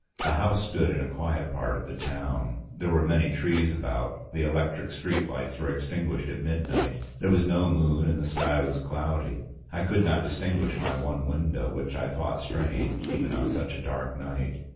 The house stood in a quiet part of the town. There were many trees about; the electric street lights were extinguished at midnight; there was no moon and the sky was cloudy. I could not distinguish my one window, which I thought strange, even on such a dark night.